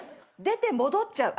出て戻っちゃう？